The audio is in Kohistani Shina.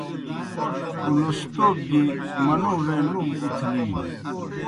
اُلستوب گیْ منُوڙے نُوم اُتھلِینوْ۔